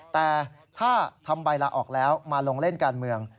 แต่ถ้าทำใบลาออกแล้วมาลงเล่นการเมือง